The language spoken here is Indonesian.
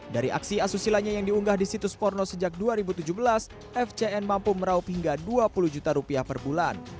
dari aksi asusilanya yang diunggah di situs porno sejak dua ribu tujuh belas fcn mampu meraup hingga dua puluh juta rupiah per bulan